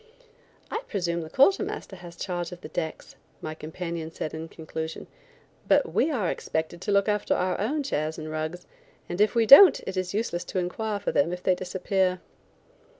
"I presume the quarter master has charge of the decks," my companion said in conclusion, "but we are expected to look after our own chairs and rugs, and if we don't it is useless to inquire for them if they disappear."